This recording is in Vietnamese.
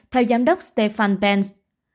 theo giám đốc stefan benz